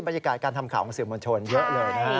บรรยากาศการทำข่าวของสื่อมวลชนเยอะเลยนะฮะ